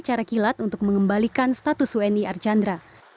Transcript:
cara kilat untuk mengembalikan status wni archandra